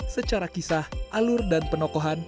secara kisah alur dan penokohan